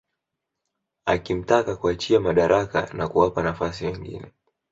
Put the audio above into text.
Akimtaka kuachia madaraka na kuwapa nafasi wengine